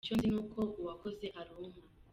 Icyo nzi ni uko uwakoze aronka.